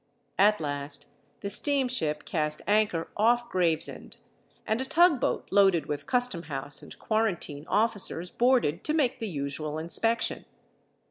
At last the steamship cast anchor off Gravesend, and a tugboat loaded with custom house and quarantine officers boarded to make the usual inspection.